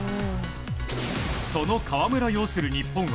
その川村ようする日本は